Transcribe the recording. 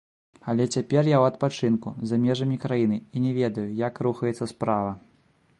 Але цяпер я ў адпачынку, за межамі краіны, і не ведаю, як рухаецца справа.